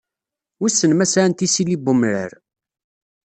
Wissen ma sɛant isili n umrar.